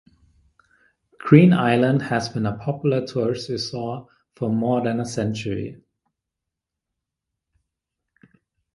Green Island has been a popular tourist resort for more than a century.